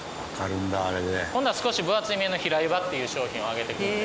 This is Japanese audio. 今度は少し分厚めの平湯葉という商品をあげていくんで。